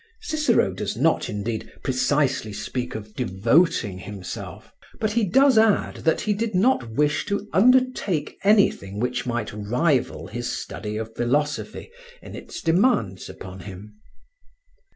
Cicero does not, indeed, precisely speak of "devoting himself," but he does add that he did not wish to undertake anything which might rival his study of philosophy in its demands upon him.